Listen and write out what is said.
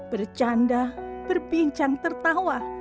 bercanda berbincang tertawa